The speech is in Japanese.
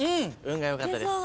運が良かったです。